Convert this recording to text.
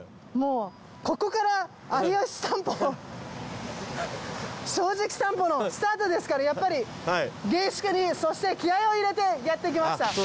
もうここから『有吉さんぽ』『正直さんぽ』のスタートですからやっぱり厳粛にそして気合を入れてやって来ました。